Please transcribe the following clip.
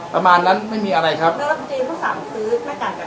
ประมาณนั้นไม่มีอะไรครับแล้วแล้วจริงจริงพวกสามซื้อไม่การการ